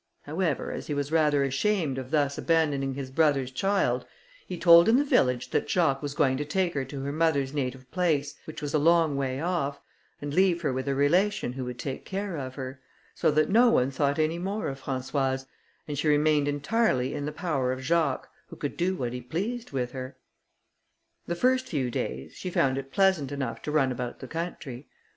However, as he was rather ashamed of thus abandoning his brother's child, he told in the village that Jacques was going to take her to her mother's native place, which was a long way off, and leave her with a relation who would take care of her; so that no one thought any more of Françoise, and she remained entirely in the power of Jacques, who could do what he pleased with her. The first few days, she found it pleasant enough to run about the country.